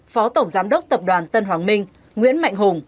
phó tổng giám đốc tập đoàn tân hoàng minh nguyễn mạnh hùng